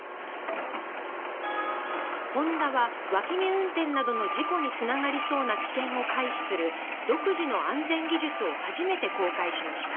ホンダは、わき見運転などの事故につながりそうな危険を回避する独自の安全技術を初めて公開しました。